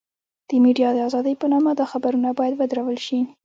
د ميډيا د ازادۍ په نامه دا خبرونه بايد ودرول شي.